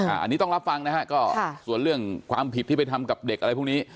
อันนี้ต้องรับฟังนะฮะก็ส่วนเรื่องความผิดที่ไปทำกับเด็กอะไรพวกนี้